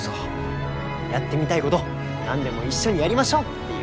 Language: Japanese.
やってみたいごど何でも一緒にやりましょうっていう。